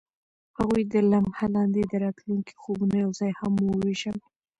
هغوی د لمحه لاندې د راتلونکي خوبونه یوځای هم وویشل.